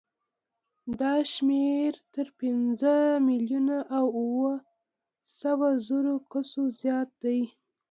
دا شمېر تر پنځه میلیونه او اوه سوه زرو کسو زیات دی.